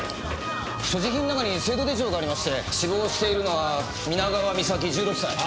所持品の中に生徒手帳がありまして死亡しているのは皆川美咲１６歳。